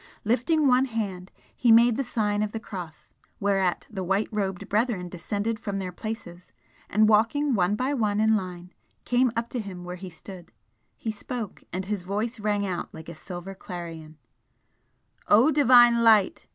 Lifting one hand, he made the sign of the cross, whereat the white robed brethren descended from their places, and walking one by one in line, came up to him where he stood. He spoke and his voice rang out like a silver clarion "O Divine Light!"